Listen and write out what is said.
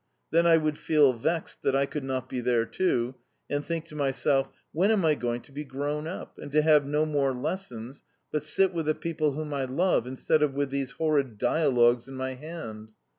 Then I would feel vexed that I could not be there too, and think to myself, "When am I going to be grown up, and to have no more lessons, but sit with the people whom I love instead of with these horrid dialogues in my hand?"